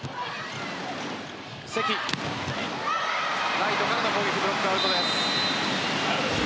ライトからの攻撃ブロックアウトです。